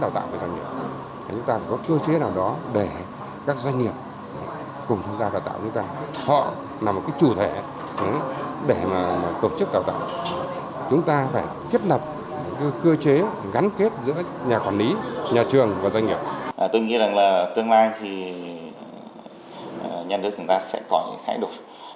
trong tương lai thì nhà nước chúng ta sẽ có những thái độ